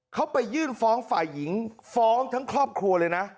เขาไปยื่นฟ้องฝ่ายหญิงฟ้องทั้งครอบครัวเลยนะ